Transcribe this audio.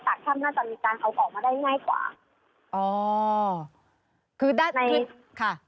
จากถ้ำหน้าตัวลิตาการเอาออกมาได้ง่ายกว่า